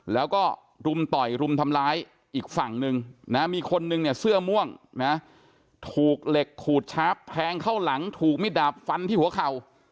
แล้วก็รุมต่อยรุมทำร้ายอีกฝั่งนึงนะมีคนนึงเนี่ยเสื้อม่วงนะถูกเหล็กขูดชาร์ฟแทงเข้าหลังถูกมิดดาบฟันที่หัวเข่า